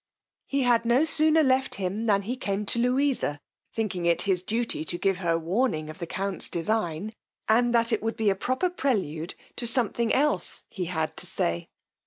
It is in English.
He had no sooner left him than he came to Louisa, thinking it his duty to give her warning of the count's design, and that it would be a proper prelude to something else he had to say.